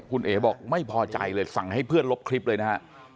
คุณเอ๋บอกไม่พอใจเลยสั่งให้เพื่อนลบคลิปเลยนะฮะ